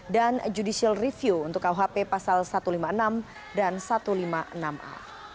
dan judicial review untuk khp pasal satu ratus lima puluh enam dan satu ratus lima puluh enam a